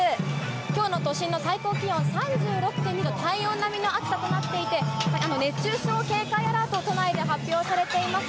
きょうの都心の最高気温３６．２度、体温並みの暑さとなっていて、熱中症警戒アラート、都内で発表されています。